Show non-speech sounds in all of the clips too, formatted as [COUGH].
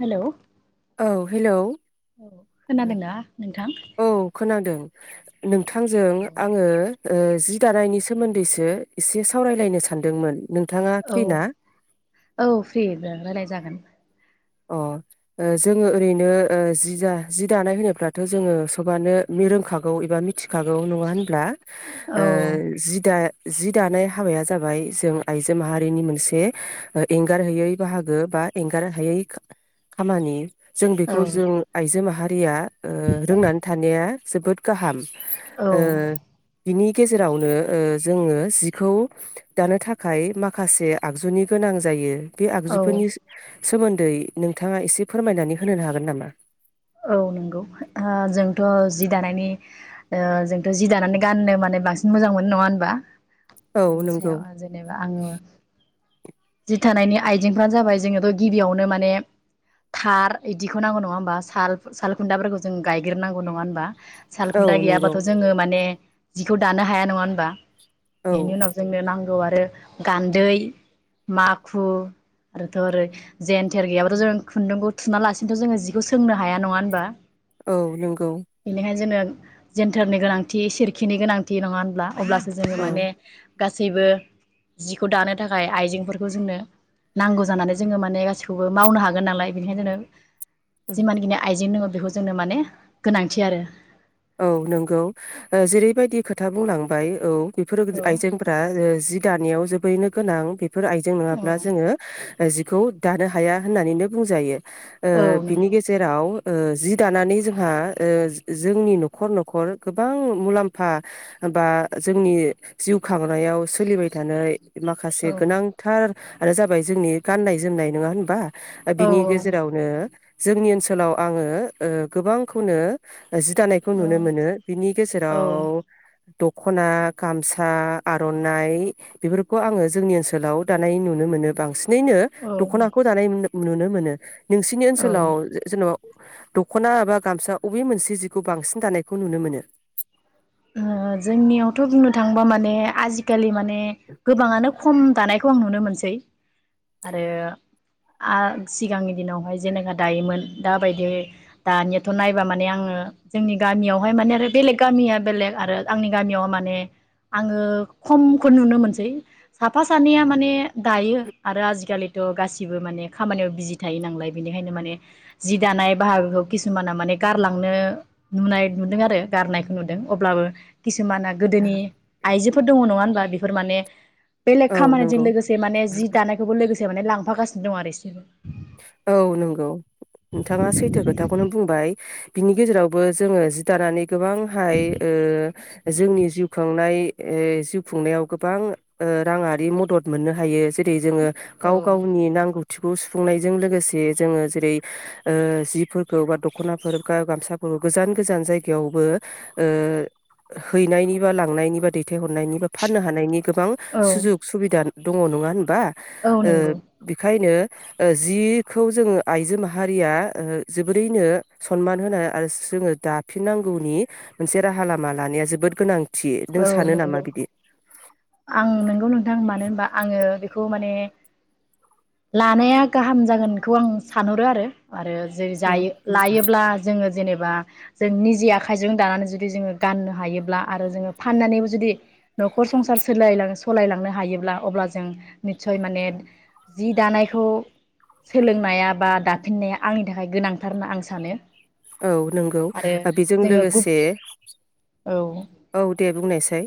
Hello औ hello खोनादोंना नोंथां? औ खोनादों। नोंथांजों आङो ओ जि दानायनि सोमोन्द दैसो इसे सावरायलायनो सानदोंमोन। नोंथाङा औ फ्रि ना औ फ्रि रायलाय जागोन। अ ओ जोङो ओरैनो ओ जि जा जि दानाय होनोब्लाथ' जोङो सबानो रोंखागौ एबा मिथिखागौ नङा होनब्ला? ओ औ जि दा जि दानाय हाबाया जाबाय जों आइजो माहारिनि मोनसे ओ एंगारहायै बाहागो बा एंगारहायै खा खामानि जों औ बेखौ जों आइजो माहा रिया ओ रोंनानै थानाया जोबोद गाहाम। औ ओ बिनि गेजेरावनो ओ जोङो जिखौ दानो थाखाय माखासे आगजुनि गोनां जायो थिग बे औ आगजुफोरनिस सोमोन दै नोंथाङा इसे फोरमायनानै होनोन हागोन नामा? औ नोंगौ ओ जोंथ' जि दानायनि ओ जोंथ' जि दानानै गाननो माने बांसिन मोजां मोनो नङा ओनबा? औ बेनि नंगौ सायाव जेनेबा आङो जि थानायनि आइजेंफ्रानो जाबाय जोङोथ' गिबियावनो माने थार इदिखौ नांगौ नङा होमबा? थाल सालखुन्थाफोरखौ जों गायग्रोनांगौ नङा ओनबा? औ सालखुन्था नंगौ गैयाबाथ' जोङो माने जिखौ दानो हाया नङा होनबा? औ बेनि उनाव जोंनो नांगौ आर आरो गान्दै माखु आरोथ' ओरै जेेनथेर गैयाबाथ' जों खुन्दुंखौ थुना लासिनोथ' जोङो जिखौ सो सोंनो हाया नङा होनबा? औ नोंगौ जेन्थोरनि गोनांथि सेरखिनि गोनांथि नङा होनब्ला? अब्लासो जोङो माने गासैबो जिखौ दानो थाखाय आइजेंफोरखौ जोंनो नांगौ जानानै जोङो माने गासिखौबो मावनो हागोन नालाय बेखायनो होन औ जिमानखिनि आयजें दोङो बेखौ जोंनो माने गोनांथि आरो औ नोंगौ जेरैबायदि खोथा बुंलांबाय औ बेफोर औ आइजेंफ्रा ओ जि दानायाव जोबैनो गोनां बेफ फोर आइजें औ नङाब्ला जोङो ओ जिखौ दानो हाया होननानैनो बुंजायो । औ ओ बिनि नंगौ गेजेराव ओ जि दानानै जोंहा ओ जो-जोंनि नख खर न'खर गोबां मुलाम्फा बा जोंनि जिउ खांनायाव सोलिबाय थानाय माखासे औ गोनांथार आरो जाबाय जोंनि गाननाय जोमनाय नोङा होनबा? ओ औ बिनि गेजेरावनो जोंनि ओनसोलाव आङो ओ गोबांखौनो जि दा खौ औ नुनो मोनो बिनि औ गेजेराव दख'ना गामसा आरनाइ बेफोरखौ आङो जोंनि ओनसोलाव दानाय नुनो मोनो बांसिन। नै नो औ दख'नाखौ दानाय नुनो नुनो मोनो। नोंसिनि औ ओनसोलाव ओ जे-जेन' दख'ना एबा गामसा अबे मोनसे जिखौ बांसि दानायखौ नुनो मोनो? ओ जोंनियावथ' बुंनो थाङोबा माने आजिखालि माने ने गोबाङानो खम दानायखौ आं नुनो मोनसै। आरो आ सिगांनि दिनावहाय जेनेखा दायोमोन दाबायदि दानियाथ नायबा माने आङो जोंनि गामियावहाय माने आरो बेलेग गामिया बेलेग आरो आंनि गामियाव माने आङो खमखौ नुनो मोनसै साफा सानैया माने दायो आरो आजिखालिथ गासिबो माने खामानियाव बिजि थायो नांलाय बेनिखायनो माने जि दानाय बाहागोखौ खिसुमाना माने गारलांनो नुनाय नुदों आरो गारनायखौ नुदों । अब्लाबो खिस माना गोदोनि आइजोफोर दङ नङा होनबा बेफ फोर माने बेलेग औ खामानिजों नंगौ लोगोसे माने जि दानायखौबो लोगोस [UNINTELLIGIBLE] माने लांफागासिनो दं आरो इसोरबो औ नोंगौ नोंथाङा सैथो खोथाखौनो बुंबाय । बिनि गेजेरावबो जोङो जि दानानै गोबांहाय ओ जोंनि जिउ खुंनाय ए जिउ खुंनायाव गोबां ओ राङारि मदद मोननो हायो जे रै जोङो औ गाव गावनि नांगौ थिखौसु सुफुंनायजों लोगोसे जोङो जेरै ओ जिफोरखौ बा दख'नाफोर गा गामसाफोरखौ गोजान गोजान जायगायावबो ओ हैनायनि बा लांनायनि बा दैथायहरनायनि बा फाननो हानायनि गोबां औ सुजुग सुबिदा दङ नङा होन बा औ ओ नंगौ बेखायनो ओ जिखौ जोङो आइजो माहारिया ओ जोबोरैनो सनमान होना आरो जोङो दाफिननांगौनि मोनसे राहा लामा लानाया जोबोद गोनां औ नंगौ आं नंगौ नोंथां मानो होनबा आङो खौ माने लानाया गाहाम जागोनखौ आं सानहरो आरो आरो जेरै जायो लायोब्ला जोङो जेनेबा जों निजि आखाइजों दानानै जुदि जोङो गाननो हायोब्ला आरो जोङो फाननानैबो जुदि न'खर संसार सोलायलां सलायलांनो हायोब्ला अब्ला जों निस्सय माने जि दानायखौ सोलोंनाया बा दाफिननाया आंनि थाखाय गोनांथार होनना आं सानो औ नंगौ आरो ओ बेजों जोङो गुब लोगोसे औ औ दे बुंनाय साय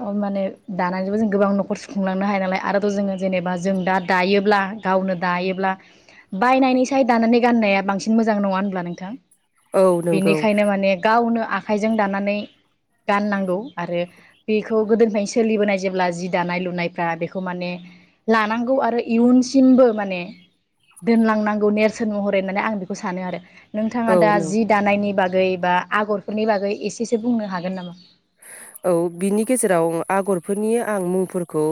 अह माने दानायजोंबो जों गोबां न'खर सुफुंलांनो हायो नालाय आरोथ' जोङो जेनेबा जों दा दायोब्ला गावनो दायोब्ला बायनायनि साय दानानै गाननाया बांसिन मोजां नङा होनब्ला नोंथां? औ नंगौ बिनिखायनो माने गावनो आख आखाइजों दानानै गाननांगौ आरो बेखौ गोदोनिफ्रायनो सोलिबोनाय जेब्ला जि दानाय लुनायफ्रा बेखौ माने लानांगौ आरो इयुनसिमबो माने दोनलांनांगौ नेरसोन महरै होननानै आं बेखौ सानो आरो नोंथाङा औ दा नों जि दानायनि बाग बागै बा आगरफोरनि बागै एसेसो बुंनो हागोन नामा? औ बिनि गेजेराव आगरफोरनि आं मुंफोरखौ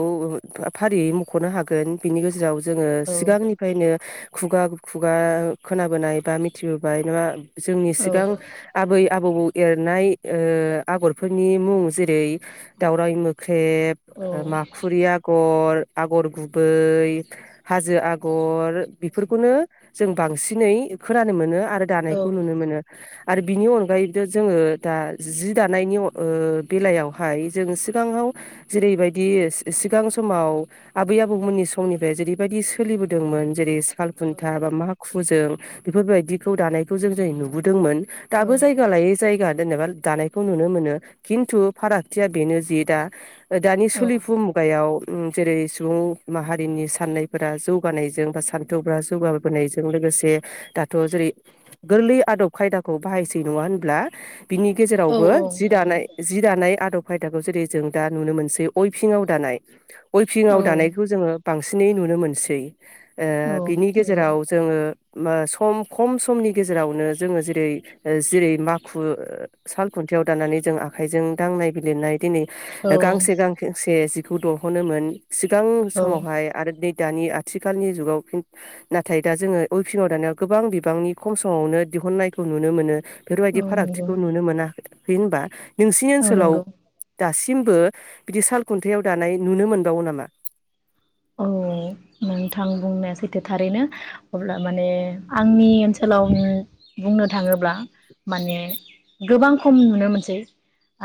फारियै मख'नो हागोन बिनि गेजेराव जोङो औ सिगांनिफ्रायनो खुगा-खुगा खोनाबोनाय बा मिथिबोबाय नङा जोंनि औ सिगां आबै आबौ एरनाय ओ आगर फोरनि मुं जेरै दावराइ मोख्रे औ ऐब माखुरि आगर। आगर गुबै हाजो आगर। बेफोरखौनो जों बांसिनै खोनानो मोनो। आरो दानायखौ औ नुनो मोनो। आरो बिनि अनगायैबो जोङो दा जि दानायनि ओ बेलायावहाय जों सिगाङाव जेरैबायदि सि-सिगां समाव, आबै आबौमोननि समनिफ्राय जेरैबायदि सोलिबोदोंमोन जेरै औ सालुन्था बा माखु खा जों बेफोरबायदिखौ दानायखौ जों-जों नुबोदोंमोन । औ दाबो जायगा लायै जायगा। जेनेबा दानायखौ नुनो मोनो। खिन्थु फारागथिया बेनो जे दा दानि सोलिफु मुगायाव जेरै सुबुं माहारिनि साननायफोरा, जौगानायजों बा सान्थौफोरा जौगाबोनायजों लोगोसे, दाथ' जेरै गोरलै आदब खायदाखौ बाहायसै नङा होनब्ला? बिनि औ गेजेरावबो नंगौ दानाय जि दानाय आदब खायदाखौ जेरै जों दा नुनो मोनसै अयभिंआव दानाय। अयभिंआव औ दानायखौ जोङो बांसिनै नुनो मोनसै। औ बिनि नंगौ गेजेराव जोङो सम खम समनि गेजेरावनो जोङो जेरै जेरै माखु साल खुन्थियाव दाननानै जों आखाइजों दांनाय बिलिरनाय दिनै औ गांसे गांसे जि खौ दंह'नोमोन सिगां औ समावहाय आरो दानि आथिखालनि जुगाव नाथाय दा जोङो उइभिंआव दानायाव गोबां बिबांनि खम समावनो दिहुन्नायखौ नुनो मोनो। बेफोरबायदि नंगौ फारागथिखौ नुनो मोनाखै। बिबा [UNINTELLIGIBLE] नोंसिनि औ ओनसोलाव नंगौ दासिम थिंबो बिदि साल खुन्थाआव दानाय नुनो मोनबावो नामा? औ नोंथां बुंनाया सैथो थारैनो। अब्ला माने आंनि ओनसोलाव बुंनो थाङोब्ला, माने गोबां खम नुनो मोनसै।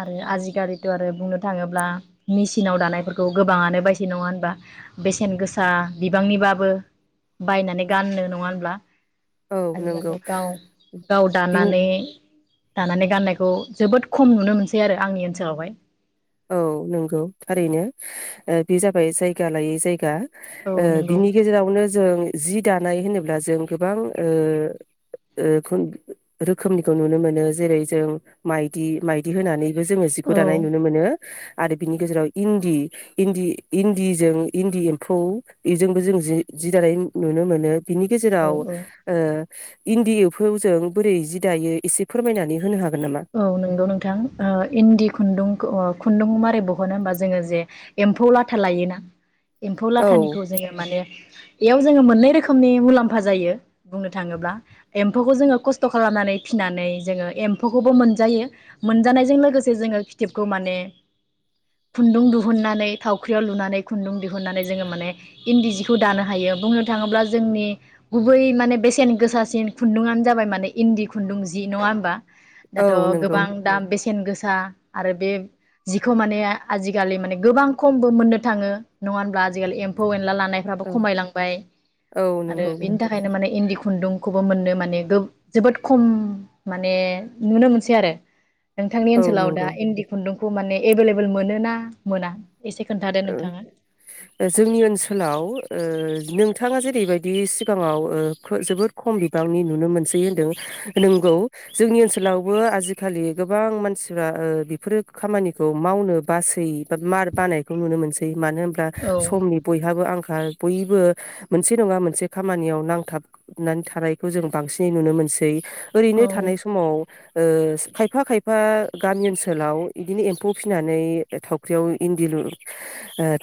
आरो आजिखालिथ' आरो बुंनो थाङोब्ला मेसिनाव दानायफोरखौ गोबाङानो बायसै नङा होनबा? बेसेन गोसा बिबांनिबाबो बायनानै गानो नङा होमब्ला? औ नंगौ आजिखालि गाव गाव बिनि दानानै दानानै गाननायखौ जोबोद खम नुनो मोनसै आरो आंनि ओनसोलावहाय। औ नंगौ थारैनो बे जाबाय जायगा लायै जायगा। औ ओ नंगौ बिनि गेजेरावनो जों जि दानाय होनोब्ला जों गोबां ओ-ओ खुन रोखोमनिखौ नुनो मोनो जेरै जों माइदि-माइदि होनानै बे जोङो जिखौ औ दानाय नुनो मोनो आरो बिनि गेजेराव इन्दि इन्दि-इन्दिजों इन्दि एम्फौ बेजोंबो जों जि दानाय नुनो मोनो बिनि औ गेजेराव औ ओ इन्दि एमफौजों बोरै जि दायो एसे फोरमायनानै होनो हागोन नामा? औ नंगौ नोंथां ओ इन्दि खुन्दुं खौ खुन्दुं मारै बहनो होमबा जोङो जे एम्फौ लाथा लायोना एम्फौ औ लाथानिखौ जोङो माने बेयाव जोङो मोननै रोखोमनि मुलाम्फा जायो बुंनो थाङोब्ला एम्फौखौ जोङो खस्थ' खालामनानै फिनानै जोङो एम एमफौखौबो मोनजायो मोनजानायजों लोगोसे जोङो फिथोबखौ माने खुन्दुं दुहुननानै थावख्रियाव लुनानै खुन्दुं दिहुननानै जोङो माने इन्दि जिखौ दानो हायो बुंनो थाङोब्ला जोंनि गुबै माने बेसेन गोसासिन खुन्दुंङानो जाबाय माने इन्दि खुन्दुं जि नङा होमबा औ दाथ' नंगौ गोबां दाम बेसेन गोसा दा आरो बे जिखौ माने आजिखालि माने गोबां खमबो मोननो थाङो नङा होनब्ला आजिखालि एम्फौ एनला लान नायफ्राबो औ खमायलांबाय औ आरो नंगौ बिनि थाखायनो माने इन्दि खुन खुन्दुंखौबो मोननो माने गोब जोबोद खम माने नुनो मोनसै आरो नोंथांनि औ ओनसाव दा नंगौ इन्दि खुन्दुं फु माने एभेलेबेल मोन ना मोना? एसे खोन्थादो ओ नोंथाङा जोंनि ओनसोलाव ओ नोंथाङा जेरैबायदि सिगाङाव ओ जोबोद खम बिबांनि नुनो मोनसै होनदों नोंगौ जोंनि ओनसोलावबो आजिखालि गोबां मानसिफ्रा ओ बेफोरो खामानिखौ मावनो बासै बा मार बानाय खोम नुनो मोनसै मानो होनब्ला औ समनि बयहाबो आंखाल बयबो मोनसे नङा मोनसे खामानियाव नांथाबनानै थानायखौ जों बांसिनै नुनो मोनसै ओरैनो औ थानाय समाव ओ खायफा-खायफा गामि ओनसोलाव इदिनो एम्फौ फिसिनानै थावख्रियाव इन्दि लु ओ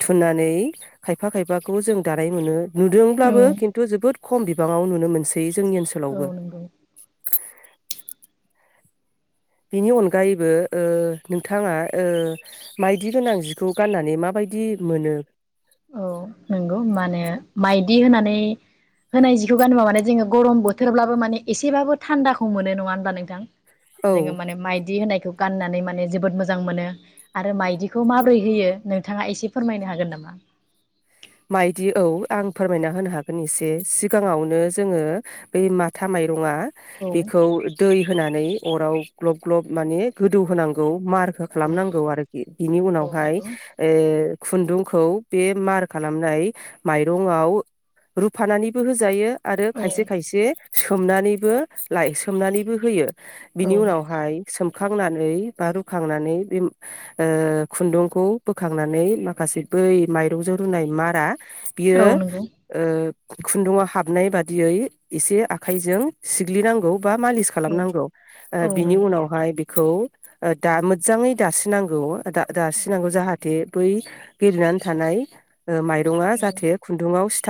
थुननानै खायफा खायफाखौ जों दानाय मोनो औ नुदोंब्लाबो खिन्थु जोबोद खम बिबाङाव नुनो मोनस बे जोंनि औ ओनसोलावबो । [INAUDIBLE] नंगौ बिनि अनगायैबो ओ नोंथाङा ओ माइदि गोनां जिखौ गाननानै माबायदि मोनो? औ नंगौ माने माइदि होनानै होनाय जिखौ गानोबा माने जोङो गरम बोथोरब्लाबो माने एसेबाबो थान्दाखौ मोनो नङा होनबा नोंथां । औ जोङो माने माइदि होनायखौ गाननानै माने जोबोद मोजां मोनो आरो मायदिखौ माबोरै होयो नोंथाङा एसे फोरमायनो हागोन नामा? मायदि औ आं फोरमायना होनो हागोन एसे सिगाङावनो जोङो बै माथा माइ रुंआ औ बिखै दै होना नै अर आव ग्लब ग्लब माने गोदौ होनांगौ मार खो औ खालामनांगौ आरोखि बिनि औ उनावहाय नंगौ। ओ खुन्दुंखौ बे मार खालामनाय माइरंआव रुफानानैबो होजायो आरो औ खायसे खायसे सोमनानैबो लाय सोमनानैबो होयो औ बिनि उनावहाय सोम खांनानै बा रुखांनानै बि ओ खुन्दुंखौ बोखांनानै माखासे बै मायरंजो रुनाय मारा बियो औ नंगौ ओ खुन्दुङा हाबनाय बादियै एसे आखाइजों सिग्लिनांगौ बा मालिस औ खालामनांगौ ओ औ बिनि नंगौ उनावहाय बेखौ ओ दा मोजाङै [UNINTELLIGIBLE] नांगौ दा दासिनांगौ जाहाथे बै [UNINTELLIGIBLE] थानाय ओ माइरंआ जाहाथे खुन्दुुंआव सि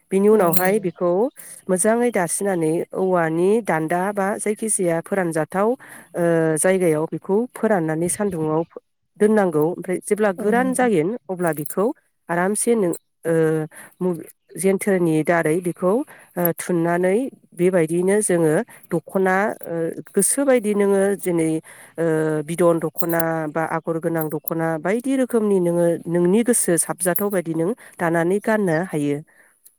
[UNINTELLIGIBLE] बिनि औ नंगौ उनावहाय औ बेखौ मोजाङै दासिनानै औवानि दान्दा बा जायखि जाया फोरानजाथाव ओ जायगायाव बेखौ फोराननानै सान्दुंङाव दोननांगौ ओमफ्राय जेब्ला गोरान नंगौ जायो अब्ला बिखौ आरामसे नों ओ मुबि जेन्थोरनि दारै बेखौ थुननानै बेबायदियैनो जोङो दखना ओ गोसो बायदि नोङो जेरै ओ बिदन दखना बा आगर गोनां दखना बायदि रोखोमनि नोङो नोंनि गोसो साब जाथाव बायदि नों दानानै गाननो हायो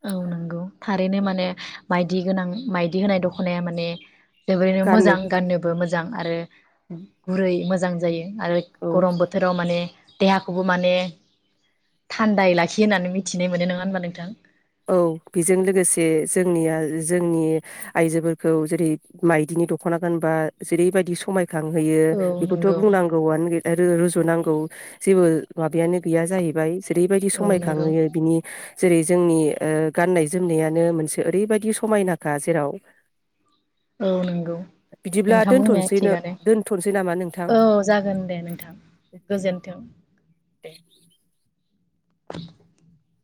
औ नंगौ थारैनो माने माइदि गोनां माइदि होनाय दखनाया माने जोबोरैनो मोजां गाननो गाननोबो मोजां आरो गुरै मोजां जायो आरो औ गरम बोथोराव माने देहाखौबो माने थान्दायै लाखियो होननानै मिथिनाय मोनो नङा होमबा नोंथां औ बेजों लोगोसे जोंनिया जोंनि आइजोफोरखौ जेरै माइदिनि दखना गानबा जेरैबायदि समाय खां होयो औ बेखौथ नंगौ बुंनांगौआनो गै आरो रुजुनांगौ जेबो माबायानो गैया जाहैबाय जेरैबायदि औ नंगौ समायखांहोयो बिनि जेरै जोंनि ओ गाननाय जोमनायानो मोनसे ओरैबादि समायनाखा जेराव औ नंगौ बिदिब्ला नोंथां बुंनाया दोनथ'सैनो थिगानोे दोनथ'सै नामा नोंथां? औ जागोन दे नोंथां गोजोनथों दे [INAUDIBLE]